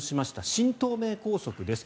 新東名高速です。